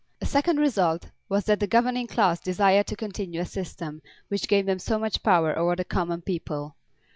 A second result was that the governing class desired to continue a system which gave them so much power over the common people.